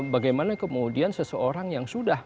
bagaimana kemudian seseorang yang sudah